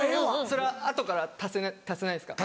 それは後から足せないですか？